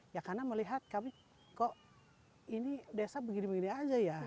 ya karena melihat kami kok ini desa begini begini aja ya